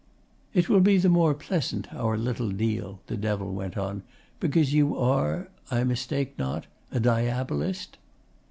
'It will be the more pleasant, our little deal,' the Devil went on, 'because you are I mistake not? a Diabolist.